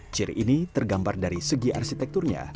ciri ini tergambar dari segi arsitekturnya